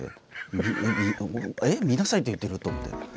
見なさいって言ってる？」と思って。